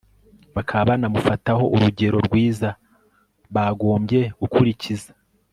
bakaba banamufataho urugero rwiza bagombye gukurikiza